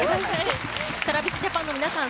ＴｒａｖｉｓＪａｐａｎの皆さん